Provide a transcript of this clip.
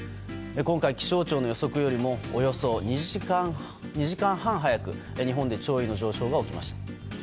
今回、気象庁の予測よりもおよそ２時間半早く日本で潮位の上昇が起きました。